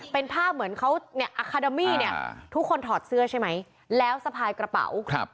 เป็นภาพเหมือนเขาเนี่ยอาคาเดมี่เนี่ยทุกคนถอดเสื้อใช่ไหมแล้วสะพายกระเป๋าครับ